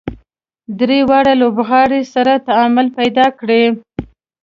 درې واړه لوبغاړي سره تعامل پیدا کړي.